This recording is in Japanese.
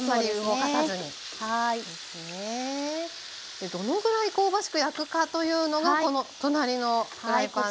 でどのぐらい香ばしく焼くかというのがこの隣のフライパンです。